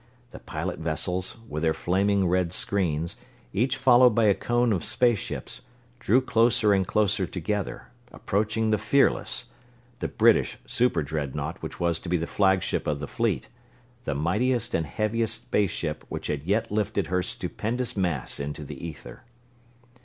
The pilot vessels, with their flaming red screens, each followed by a cone of space ships, drew closer and closer together, approaching the Fearless the British super dreadnaught which was to be the flagship of the Fleet the mightiest and heaviest space ship which had yet lifted her stupendous mass into the ether.